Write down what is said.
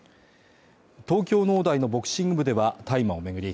東京農大のボクシング部では大麻を巡り